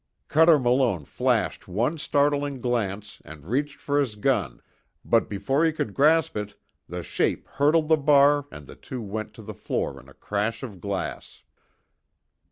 Cuter Malone flashed one startled glance and reached for his gun, but before he could grasp it the shape hurdled the bar and the two went to the floor in a crash of glass.